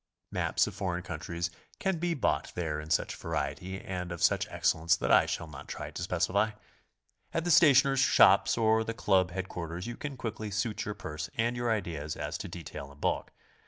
Maps of foreign countries can be bought there in such variety and of such excellence that I shall not try to specify. At the stationers' shops or the Club head quarters you can quickly suit your purse and your ideas as to detail and bulk.